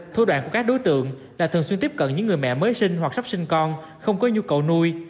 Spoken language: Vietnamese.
thu đoạn của các đối tượng là thường xuyên tiếp cận những người mẹ mới sinh hoặc sắp sinh con không có nhu cầu nuôi